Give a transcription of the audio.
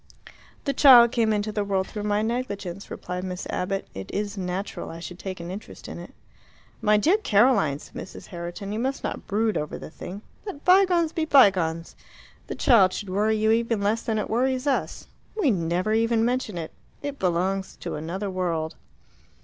"The child came into the world through my negligence," replied Miss Abbott. "It is natural I should take an interest in it." "My dear Caroline," said Mrs. Herriton, "you must not brood over the thing. Let bygones be bygones. The child should worry you even less than it worries us. We never even mention it. It belongs to another world."